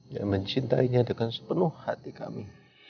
yang mencintainya dengan sepenuh hati kami